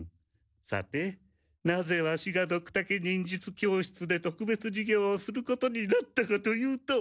さてなぜワシがドクタケ忍術教室で特別授業をすることになったかというと。